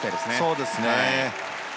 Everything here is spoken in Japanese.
そうですね。